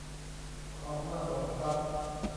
ของมาส่งครับ